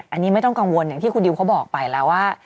อันนี้ไม่ต้องกังวลอย่างที่คุณดิวเขาบอกไปแล้วว่า